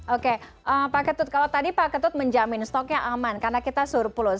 oke pak ketut kalau tadi pak ketut menjamin stoknya aman karena kita surplus